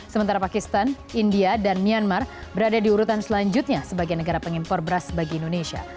sementara pakistan india dan myanmar berada di urutan selanjutnya sebagai negara pengimpor beras bagi indonesia